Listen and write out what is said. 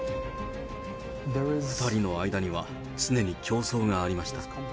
２人の間には常に競争がありました。